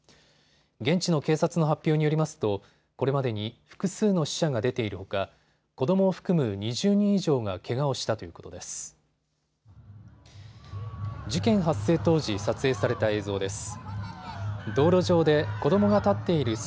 現地の警察の発表によりますとこれまでに複数の死者が出ているほか子どもを含む２０人以上がけがをしたということです。